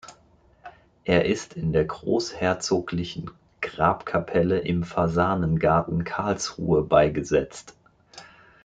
Er ist in der großherzoglichen Grabkapelle im Fasanengarten Karlsruhe beigesetzt.